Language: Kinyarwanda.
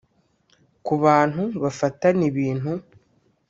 Kuba abantu bafatana ibintu